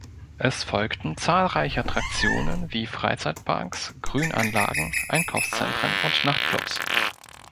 Es folgten zahlreiche Attraktionen, wie Freizeitparks, Grünanlagen, Einkaufszentren und Nachtklubs.